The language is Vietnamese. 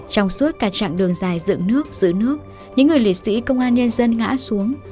trong suốt cả chặng đường dài dựng nước giữ nước những người liệt sĩ công an nhân dân ngã xuống